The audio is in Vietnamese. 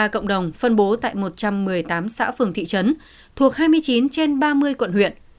hai trăm ba mươi ba cộng đồng phân bố tại một trăm một mươi tám xã phường thị trấn thuộc hai mươi chín trên ba mươi quận huyện